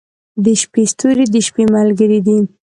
• د شپې ستوري د شپې ملګري دي.